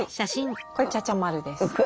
これ茶々丸です。